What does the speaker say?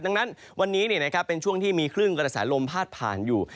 ดังนั้นวันนี้เป็นช่วงที่มีคลื่นกระแสลมพาดผ่านอยู่